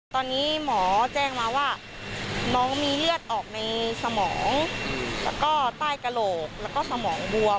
ตอนนี้หมอแจ้งมาว่าน้องมีเลือดออกในสมองแล้วก็ใต้กระโหลกแล้วก็สมองบวม